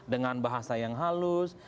dengan bahasa yang halus